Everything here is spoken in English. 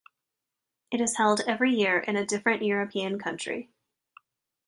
It is held every year in a different European country.